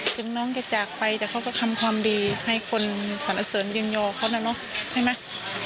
ถึงน้องจะจากไปแต่เขาก็ทำความดีให้คนสรรเสริญยืนยอเขานะเนาะใช่ไหม